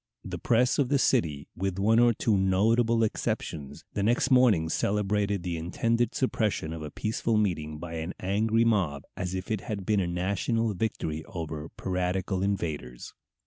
The press of the city, with one or two notable exceptions, the next morning celebrated the intended suppression of a peaceful meeting by an angry mob as if it had been a national victory over piratical invaders.